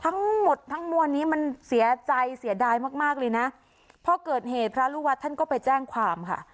ทั้งหมดทั้งมวลนี้มันเสียใจเสียดายมากมากเลยนะพอเกิดเหตุพระลูกวัดท่านก็ไปแจ้งความค่ะ